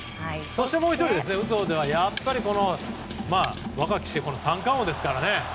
そしてもう１人、打つほうではやっぱり若き主砲三冠王ですからね。